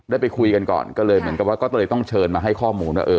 ไปคุยกันก่อนก็เลยเหมือนกับว่าก็เลยต้องเชิญมาให้ข้อมูลว่าเออ